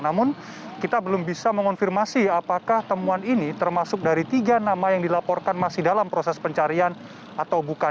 namun kita belum bisa mengonfirmasi apakah temuan ini termasuk dari tiga nama yang dilaporkan masih dalam proses pencarian atau bukan